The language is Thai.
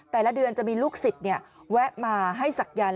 แต่ละเดือนจะมีลูกศิษย์แวะมาให้ศักยันต์